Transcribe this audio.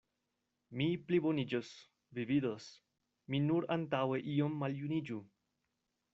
Mi pliboniĝos, vi vidos, mi nur antaŭe iom maljuniĝu!